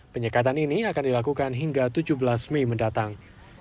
penyekatan ini akan dilakukan hingga tujuh belas mei mendatang